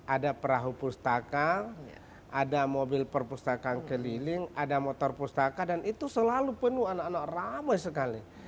ada perahu pustaka ada mobil perpustakaan keliling ada motor pustaka dan itu selalu penuh anak anak ramai sekali